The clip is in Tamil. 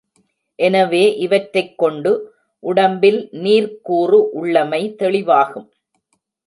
எனவே, இவற் றைக் கொண்டு, உடம்பில் நீர்க்கூறு உள்ளமை தெளிவாகும்.